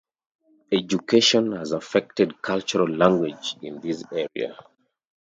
Education has affected cultural language in this area.